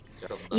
pertama di jawa